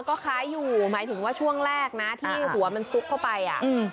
ก็คล้ายอยู่หมายถึงว่าช่วงแรกนะที่หัวมันซุกเข้าไปอ่ะอืม